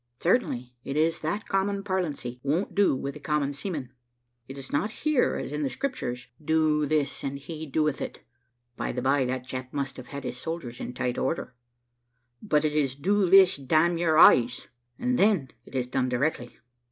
Certain it is that common parlancy won't do with a common seaman. It is not here as in the Scriptures, `Do this, and he doeth it,' (by the by, that chap must have had his soldiers in tight order); but it is `Do this, damn your eyes,' and then it is done directly.